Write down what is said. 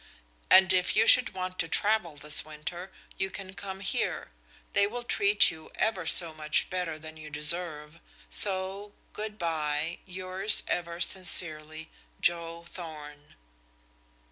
And if you should want to travel this winter you can come here; they will treat you ever so much better than you deserve. So good by. Yours ever sincerely, "JOE THORN."